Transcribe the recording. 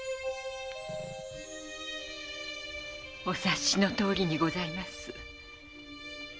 お察しのとおりにございます。